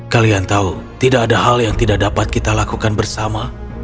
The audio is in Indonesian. kalian tahu tidak ada hal yang tidak dapat kita lakukan bersama